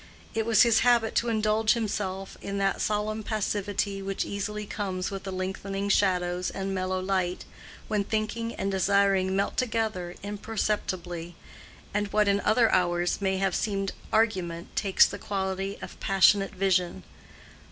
It was his habit to indulge himself in that solemn passivity which easily comes with the lengthening shadows and mellow light, when thinking and desiring melt together imperceptibly, and what in other hours may have seemed argument takes the quality of passionate vision.